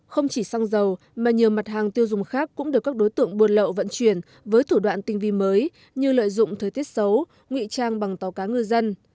không chỉ xăng dầu mà nhiều mặt hàng tiêu dùng khác cũng được các đối tượng buôn lậu vận chuyển với thủ đoạn tinh vi mới như lợi dụng thời tiết xấu nguy trang bằng tàu cá ngư dân